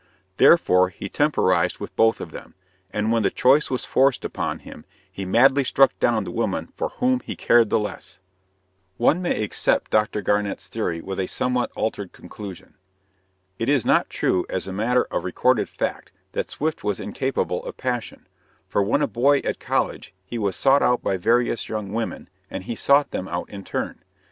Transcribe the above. Therefore, he temporized with both of them, and when the choice was forced upon him he madly struck down the woman for whom he cared the less. One may accept Dr. Garnett's theory with a somewhat altered conclusion. It is not true, as a matter of recorded fact, that Swift was incapable of passion, for when a boy at college he was sought out by various young women, and he sought them out in turn.